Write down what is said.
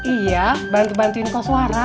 iya bantu bantuin kok suara